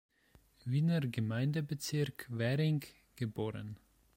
Wiener Gemeindebezirk, Währing, geboren.